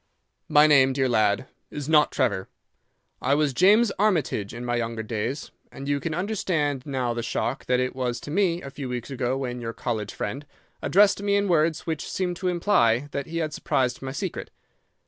"'My name, dear lad, is not Trevor. I was James Armitage in my younger days, and you can understand now the shock that it was to me a few weeks ago when your college friend addressed me in words which seemed to imply that he had surmised my secret.